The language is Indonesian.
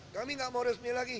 kami nggak mau resmi lagi